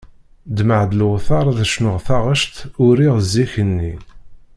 Ddmeɣ-d lewṭer ad cnuɣ taɣect uriɣ zik-nni.